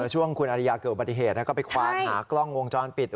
ช่วงคุณอริยาเกิดอุบัติเหตุก็ไปควานหากล้องวงจรปิด